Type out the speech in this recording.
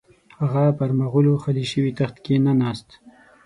هغه پر مغولو خالي شوي تخت کښې نه ناست.